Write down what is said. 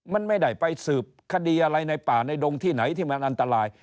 มันไม่ได้ไปสืบคดีอะไรในป่าในดงที่ไหนที่มันอันตราย